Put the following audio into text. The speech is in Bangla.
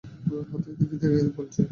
হাত এদিকে দে বলছি!